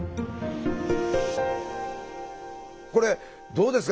これどうですか？